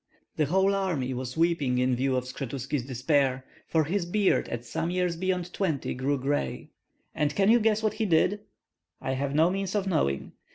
The whole army was weeping in view of Skshetuski's despair; for his beard at some years beyond twenty grew gray, and can you guess what he did?" "I have no means of knowing."